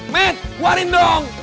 meh warin dong